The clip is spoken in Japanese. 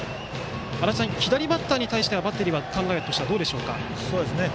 左バッターに対してはバッテリーの考えとしてはどうでしょうか？